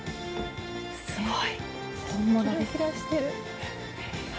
すごい！キラキラしてる！